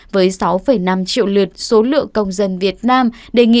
với sáu năm triệu lượt số lượng công dân việt nam đề nghị